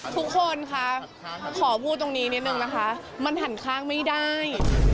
ทุกคนค่ะขอพูดตรงนี้นิดนึงนะคะมันหันข้างไม่ได้